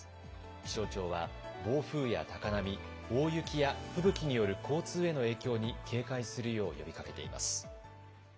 気象庁は暴風や高波、大雪や吹雪による交通への影響に警戒するよう呼びかけています。